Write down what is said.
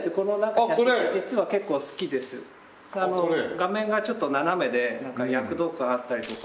画面がちょっと斜めで躍動感あったりとか。